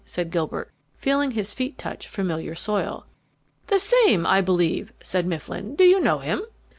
said Gilbert, feeling his feet touch familiar soil. "The same, I believe," said Mifflin. "Do you know him?"